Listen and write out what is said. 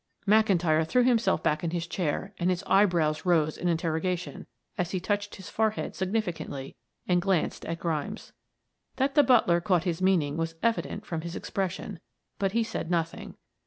McIntyre threw himself back in his chair and his eyebrows rose in interrogation as he touched his forehead significantly and glanced at Grimes. That the butler caught his meaning was evident from his expression, but he said nothing.